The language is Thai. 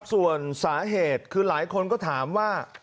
ส่วนสาเหตุคือหลายคนก็ถามว่า